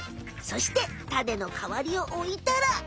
そしてタネのかわりをおいたら。